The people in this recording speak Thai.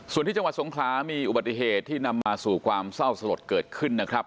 ส่วนที่จังหวัดสงขลามีอุบัติเหตุที่นำมาสู่ความเศร้าสลดเกิดขึ้นนะครับ